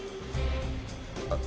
あっ。